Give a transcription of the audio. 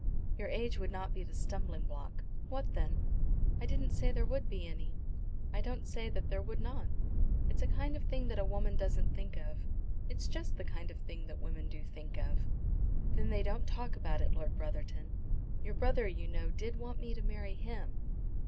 "Your age would not be the stumbling block." "What then?" "I didn't say there would be any. I don't say that there would not. It's a kind of thing that a woman doesn't think of." "It's just the kind of thing that women do think of." "Then they don't talk about it, Lord Brotherton. Your brother you know did want me to marry him."